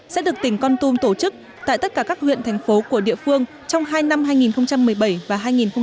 sẽ được tỉnh con tum tổ chức tại tất cả các huyện thành phố của địa phương trong hai năm hai nghìn một mươi bảy và hai nghìn một mươi chín